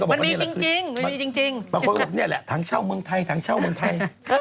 บางคนบอกนี่แหละถังเช่าเมืองไทยถังเช่าเมืองไทย